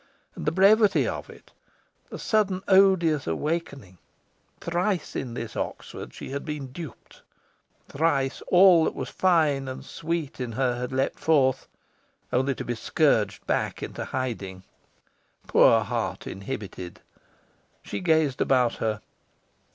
And the brevity of it! the sudden odious awakening! Thrice in this Oxford she had been duped. Thrice all that was fine and sweet in her had leapt forth, only to be scourged back into hiding. Poor heart inhibited! She gazed about her.